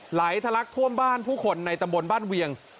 ไหลทะลักท่วมบ้านผู้คนในตำบลบ้านเวียง